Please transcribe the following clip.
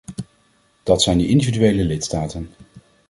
Dat zijn de individuele lidstaten.